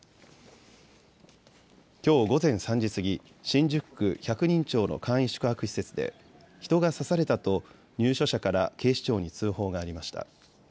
きょう午前３時過ぎ、新宿区百人町の簡易宿泊施設で人が刺されたと入所者から警視庁に通報がありました。